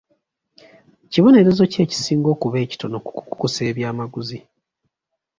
Kibonerezo ki ekisinga okuba ekitono ku kukusa eby'amaguzi?